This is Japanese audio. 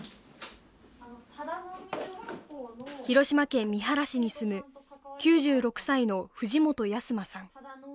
広島県三原市に住む９６歳の藤本安馬さん。